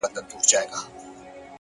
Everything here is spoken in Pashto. لوړ انسان له نورو نه زده کوي,